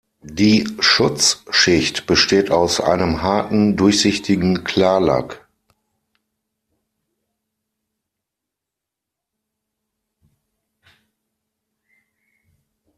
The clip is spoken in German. Die "Schutzschicht" besteht aus einem harten, durchsichtigen Klarlack.